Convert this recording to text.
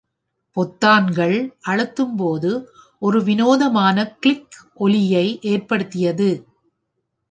பொத்தான்கள் அழுத்தும் போது ஒரு வினோதமான கிளிக் ஒலியை ஏற்படுத்தியது.